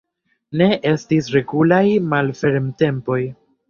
Ne estis regulaj malfermtempoj.